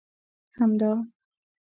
همدا!